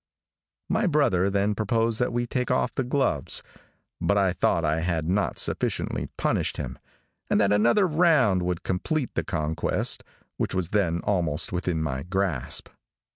My brother then proposed that we take off the gloves, but I thought I had not sufficiently punished him, and that another round would complete the conquest, which was then almost within my grasp.